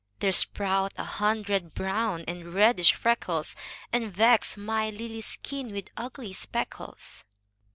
There sprout a hundred brown and reddish freckles. And vex my lily skin with ugly speckles.